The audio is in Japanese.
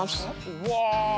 うわ。